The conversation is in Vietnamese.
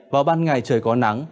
vào ban ngày trời có nắng